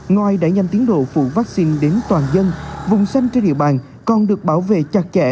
ngoài đẩy nhanh tiến độ phủ vaccine đến toàn dân vùng xanh trên địa bàn còn được bảo vệ chặt chẽ